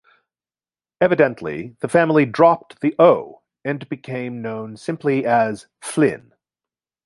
Evidently the family dropped the "O'", and became known simply as Flynn.